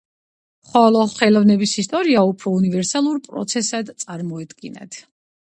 ხოლო ხელოვნების ისტორია უფრო უნივერსალურ პროცესად წარმოედგინათ.